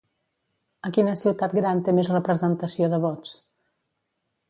A quina ciutat gran té més representació de vots?